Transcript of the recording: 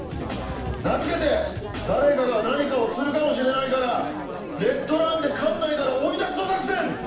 名付けて「誰かが何かをするかもしれないからレッドランで管内から追い出すぞ作戦」！